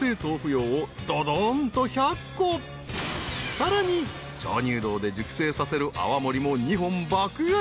［さらに鍾乳洞で熟成させる泡盛も２本爆買い］